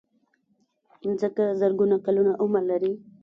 مځکه زرګونه کلونه عمر لري.